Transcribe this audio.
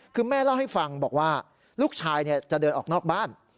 คือแม่เล่าให้ฟังบอกว่าลูกชายจะเดินออกนอกบ้าน